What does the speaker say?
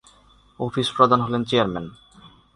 Office প্রধান হলেন chairman.